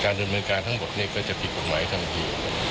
การดำเนินการทั้งหมดเนี่ยก็จะมีกฎหมายทั้งที